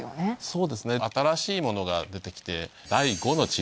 そうですね新しいものが出て来て。